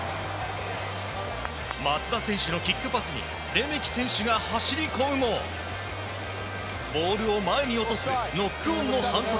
松田選手のキックパスにレメキ選手が走り込むもボールを前に落とすノックオンの反則。